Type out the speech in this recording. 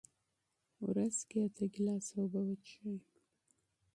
ورځ کې اته ګیلاسه اوبه وڅښئ.